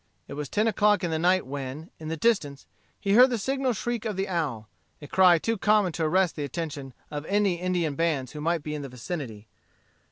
It was ten o'clock in the night when, in the distance, he heard the signal shriek of the owl, a cry too common to arrest the attention of any Indian bands who might be in the vicinity.